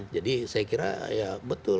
jadi saya kira ya betul